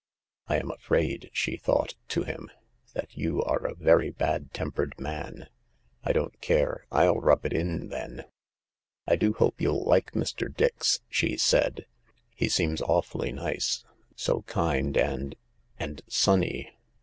" I am afraid," she thought to him, " that you are a very bad tempered man. I don't care — I'll rub it in, then." " I do hope you'll like Mr. Dix," she said, " He seems awfully nice. So kind and — and sunny."